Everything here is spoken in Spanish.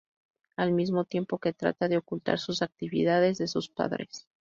Al mismo tiempo que trata de ocultar sus actividades de sus padres.